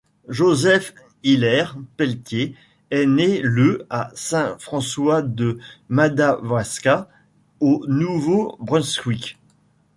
Joseph Hilaire Pelletier est né le à Saint-François-de-Madawaska, au Nouveau-Brunswick.